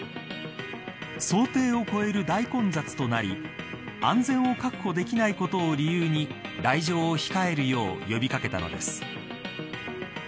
想定を超える大混雑となり安全を確保できないことを理由に来場を控えるよう呼び掛けたのです。